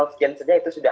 sekian saja itu sudah